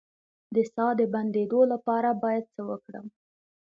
د ساه د بندیدو لپاره باید څه وکړم؟